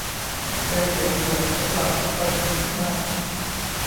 เพลงบทสวดสำหรับวันคริสต์มาส